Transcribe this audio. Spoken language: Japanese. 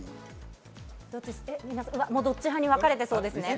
あら？どっち派に分かれてるんですかね？